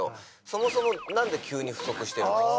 そもそも何で急に不足してるんですか？